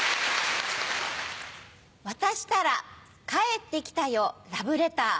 渡したら帰ってきたよラブレター。